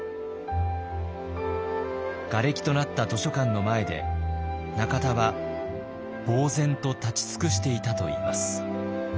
がれきとなった図書館の前で中田はぼう然と立ち尽くしていたといいます。